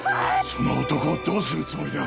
その男をどうするつもりだ